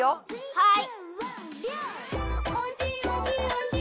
はい。